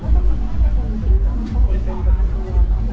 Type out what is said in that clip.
ก็จะมีร่วมที่เขาต้องแนบกด